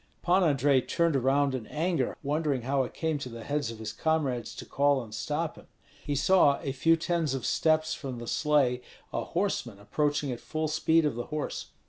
Pan Andrei turned around in anger, wondering how it came to the heads of his comrades to call and stop him. He saw a few tens of steps from the sleigh a horseman approaching at full speed of the horse.